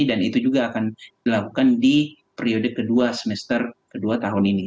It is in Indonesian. dan itu juga akan dilakukan di periode kedua semester kedua tahun ini